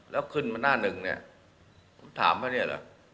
แล้วขึ้นมันหน้าหนึ่งเนี่ย